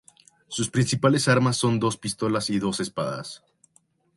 Sus principales armas son dos pistolas y dos espadas.